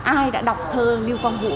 ai đã đọc thơ liêu hoàng vũ